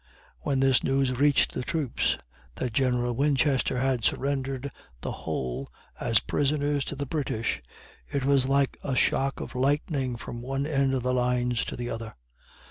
When this news reached the troops, that General Winchester had surrendered the whole as prisoners to the British, it was like a shock of lightning from one end of the lines to the other.